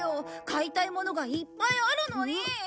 買いたい物がいっぱいあるのに！